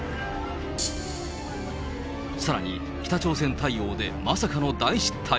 さらに、北朝鮮対応でまさかの大失態？